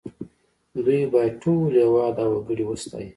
دوی باید ټول هېواد او وګړي وستايي